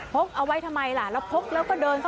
กเอาไว้ทำไมล่ะแล้วพกแล้วก็เดิน